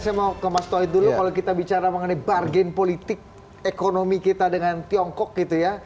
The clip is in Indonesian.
saya mau ke mas tauhid dulu kalau kita bicara mengenai bargain politik ekonomi kita dengan tiongkok gitu ya